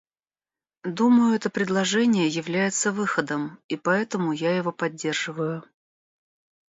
Думаю, это предложение является выходом, и поэтому я его поддерживаю.